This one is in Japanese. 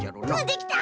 できた！